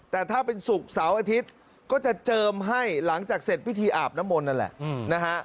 แต่ถ้าเป็นศุกร์เสาร์อาทิตย์ก็จะเจิมให้หลังจากเสร็จพิธีอาบน้ำมนต์นั่นแหละนะฮะ